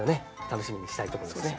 楽しみにしたいとこですね。